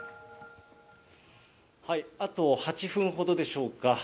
あと８分ほどでしょうか。